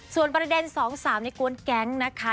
ส่วนประเด็น๒๓ในกวนแก๊งนะคะ